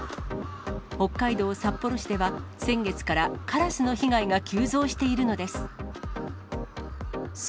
北海道札幌市では、先月からカラスの被害が急増しているのです。